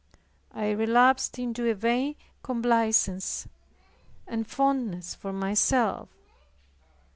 I relapsed into a vain complacency and fondness for myself.